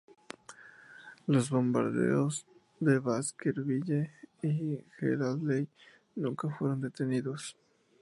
Los bombarderos de Baskerville y Headley nunca fueron detenidos.